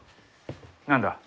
何だ？